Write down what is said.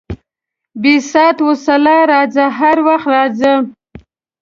بې ست وسلا راځه، هر وخت راځه.